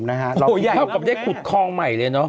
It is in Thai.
โอ้โฮใหญ่มากได้กุดคลองใหม่เลยเนอะ